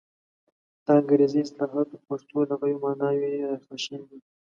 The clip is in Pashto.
د انګریزي اصطلاحاتو پښتو لغوي ماناوې را اخیستل شوې دي.